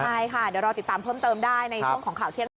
ใช่ค่ะเดี๋ยวรอติดตามเพิ่มเติมได้ในช่วงของข่าวเที่ยง